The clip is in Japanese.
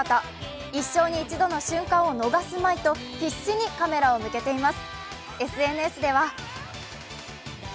一生に一度の瞬間を逃すまいと、必死にカメラを向けています。